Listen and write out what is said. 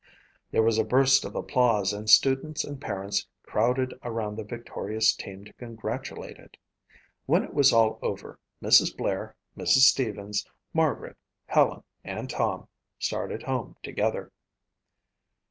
There was a burst of applause and students and parents crowded around the victorious team to congratulate it. When it was all over, Mrs. Blair, Mrs. Stevens, Margaret, Helen and Tom started home together.